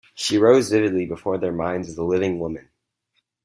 She rose vividly before their minds as a living woman.